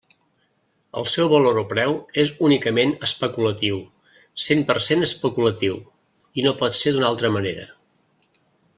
El seu valor o preu és únicament especulatiu, cent per cent especulatiu, i no pot ser d'una altra manera.